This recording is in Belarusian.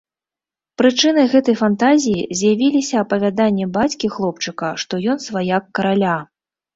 Прычынай гэтай фантазіі з'явіліся апавяданні бацькі хлопчыка, што ён сваяк караля.